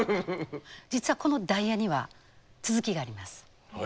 実はこのダイヤには続きがあります。